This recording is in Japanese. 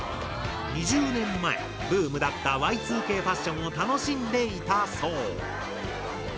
２０年前ブームだったＹ２Ｋファッションを楽しんでいたそう。